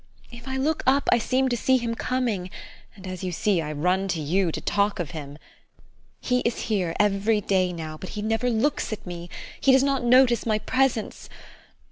If I look up, I seem to see him coming, and as you see, I run to you to talk of him. He is here every day now, but he never looks at me, he does not notice my presence.